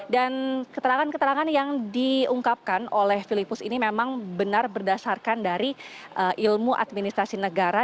dan keterangan keterangan yang diungkapkan oleh filipus ini memang benar berdasarkan dari ilmu administrasi negara